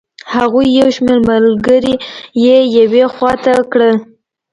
هغوی یو شمېر ملګري یې یوې خوا ته کړل.